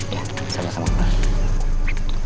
ya sama sama mbak